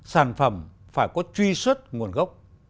sản phẩm phải có truy xuất nguồn gốc